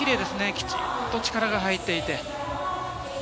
きちんと力が入っていて。